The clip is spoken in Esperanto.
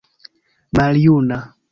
maljuna